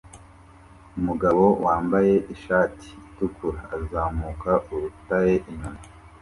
Umugabo wambaye ishati itukura azamuka urutare inyuma